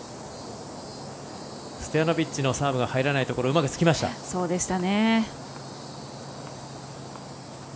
ストヤノビッチのサーブが入らないところをうまくつきました。